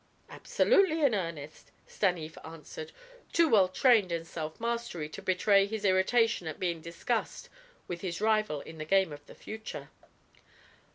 "Absolutely in earnest," Stanief answered, too well trained in self mastery to betray his irritation at being discussed with his rival in the game of the future.